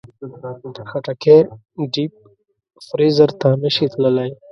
خټکی ډیپ فریزر ته نه شي تللی.